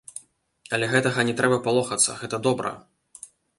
Але гэтага не трэба палохацца, гэта добра!